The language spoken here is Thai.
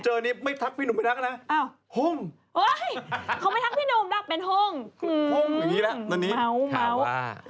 ที่นี่ไม่ทักพี่นุมพบแนวก็แล้ว